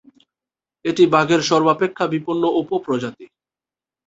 এটি বাঘের সর্বাপেক্ষা বিপন্ন উপপ্রজাতি।